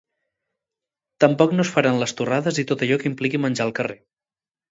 Tampoc no es faran les torrades i tot allò que impliqui menjar al carrer.